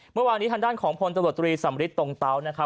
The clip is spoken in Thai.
เมื่อวานนี้ทางด้านของผลตลอดตรีสมฤทธิ์ตรงเต้า